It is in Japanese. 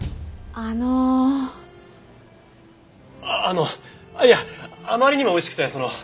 ああのいやあまりにも美味しくてその。